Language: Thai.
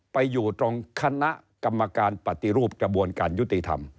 ไปอยู่ตรงคณะกรรมการปฏิรูปกระบวนการยุติธรรม